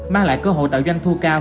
mang lại cơ hội tạo doanh thu cao